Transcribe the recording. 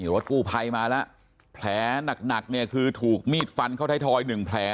รถกู้ภัยมาแล้วแผลหนักเนี่ยคือถูกมีดฟันเข้าไทยทอย๑แผล